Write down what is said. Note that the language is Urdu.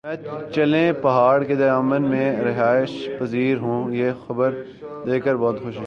میں چلتن پہاڑ کے دامن میں رہائش پزیر ھوں یہ خبر دیکھ کر بہت خوشی ہوئ